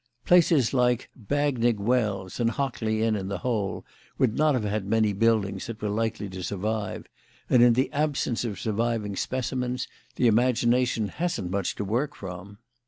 Places like Bagnigge Wells and Hockley in the Hole would not have had many buildings that were likely to survive; and in the absence of surviving specimens the imagination hasn't much to work from."